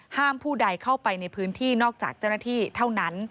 ผู้ใดเข้าไปในพื้นที่นอกจากเจ้าหน้าที่เท่านั้น